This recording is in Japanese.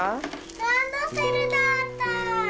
ランドセルだった！